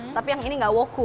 tapi yang ini nggak woku